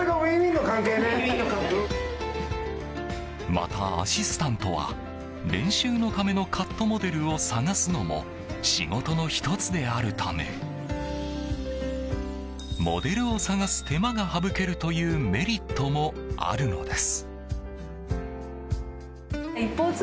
また、アシスタントは練習のためのカットモデルを探すのも仕事の１つであるためモデルを探す手間が省けるというメリットもあるのです。